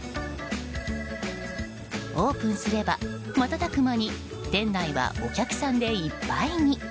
オープンすれば、瞬く間に店内はお客さんでいっぱいに。